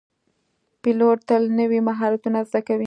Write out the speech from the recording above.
پیلوټ تل نوي مهارتونه زده کوي.